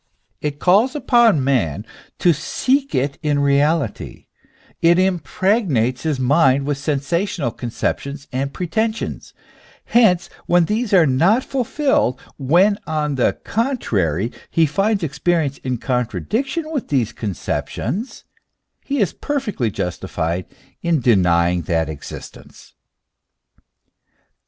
It calls upon man to seek it in Reality : it impregnates his mind with sensational conceptions and pretensions ; hence, when these are not fulfilled when, on the contrary, he finds experience in con 200 THE ESSENCE OF CHKISTIANITY. tradiction with these conceptions, he is perfectly justified in denying that existence.